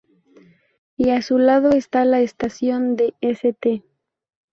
Y a su lado está la Estación de St.